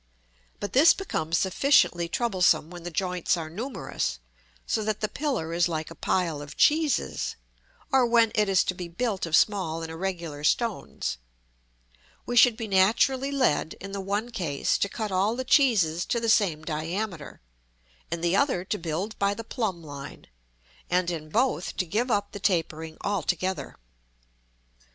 But this becomes sufficiently troublesome when the joints are numerous, so that the pillar is like a pile of cheeses; or when it is to be built of small and irregular stones. We should be naturally led, in the one case, to cut all the cheeses to the same diameter; in the other to build by the plumb line; and in both to give up the tapering altogether.